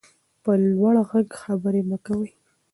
په لوړ غږ خبرې مه کوئ.